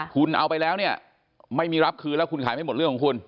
คุณเอาไปแล้วเนี่ยไม่มีรับคืนแล้วคุณขายไม่หมดเรื่องของคุณ